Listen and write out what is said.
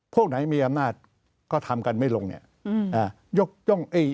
พวกไหนมีอำนาจก็ทำกันไม่ลงเนี่ย